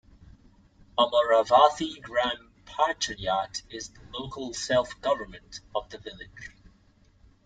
Amaravathi gram panchayat is the local self-government of the village.